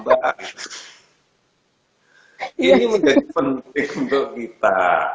bahwa ini menjadi penting untuk kita